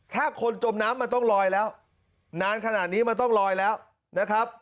ถ้าคนจมน้ำมันต้องลอยแล้วนานขนาดนี้มันต้องลอยแล้วนะครับ